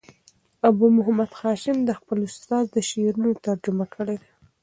ابو محمد هاشم دخپل استاد شعرونه ترجمه کړي دي.